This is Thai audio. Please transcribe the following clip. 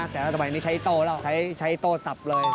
แต่สมัยนี้ใช้โต้แล้วใช้โต้สับเลย